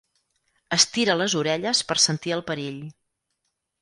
Estira les orelles per sentir el perill.